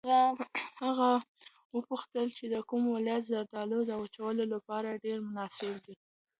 هغه وپوښتل چې د کوم ولایت زردالو د وچولو لپاره ډېر مناسب دي.